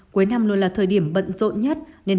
cuối năm luôn là thời điểm bận rộn nhất